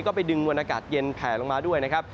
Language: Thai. ก็ไปดึงมวลอากาศเย็นแผลลงมาด้วยนะครับ